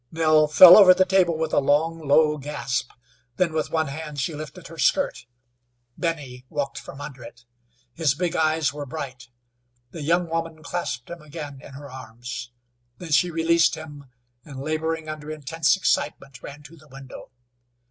Nell fell over the table with a long, low gasp. Then with one hand she lifted her skirt. Benny walked from under it. His big eyes were bright. The young woman clasped him again in her arms. Then she released him, and, laboring under intense excitement, ran to the window.